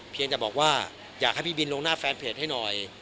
เพียงแต่บอกว่าอยากให้พี่บินลงหน้าแฟนเพจให้หน่อย